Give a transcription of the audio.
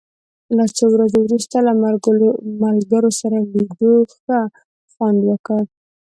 له څو ورځو وروسته له ملګرو سره لیدو ښه خوند وکړ.